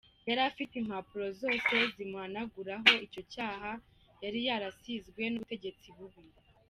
Yari afite impapuro zose zimuhanaguraho icyo cyaha, yari yarasizwe n’ubutegetsi bubi.